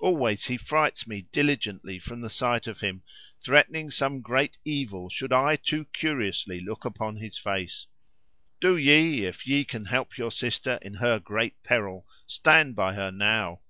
Always he frights me diligently from the sight of him, threatening some great evil should I too curiously look upon his face. Do ye, if ye can help your sister in her great peril, stand by her now."